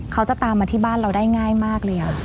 เขาจะตามมาที่บ้านเราได้ง่ายมากเลย